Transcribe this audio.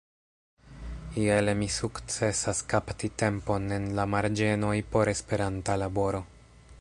Iele mi sukcesas kapti tempon en la marĝenoj por Esperanta laboro.